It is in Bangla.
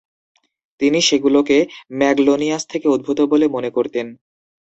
তিনি সেগুলোকে ম্যাগনোলিয়াস থেকে উদ্ভূত বলে মনে করতেন।